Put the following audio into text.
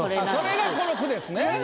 それがこの句です。